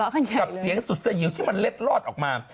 กับเสียงสุดสยิวที่มันเล็ดลอดออกมา